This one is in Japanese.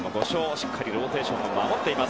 しっかりローテーション守っています。